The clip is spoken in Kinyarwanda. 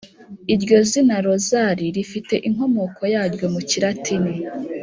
iryo zina rozali rifite inkomoko yaryo mu kilatini